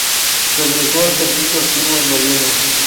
Regresó al servicio activo en noviembre.